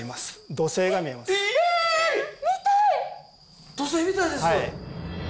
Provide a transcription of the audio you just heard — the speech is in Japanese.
土星見たいです！